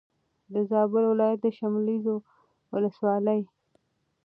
د زابل ولایت د شملزو ولسوالي